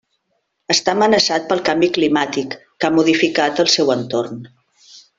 Està amenaçat pel canvi climàtic, que ha modificat el seu entorn.